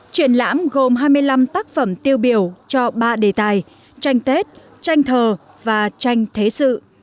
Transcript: triển lãm gồm hai mươi năm tác phẩm tiêu biểu cho ba đề tài tranh tết tranh thờ và tranh thế sự